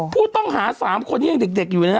ผู้ต้องหา๓คนนี้ยังเด็กอยู่เลยนะ